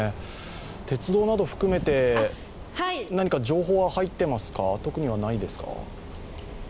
鉄道など含めて、何か情報は入っていますか、特には、ないですか。